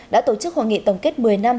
đã tổ chức hội nghị tổng kết một mươi năm